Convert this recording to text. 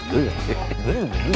pasti orang penting